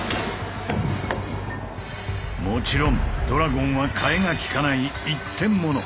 もちろんドラゴンはかえが利かない一点モノ。